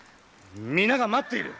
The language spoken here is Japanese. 皆が待っている。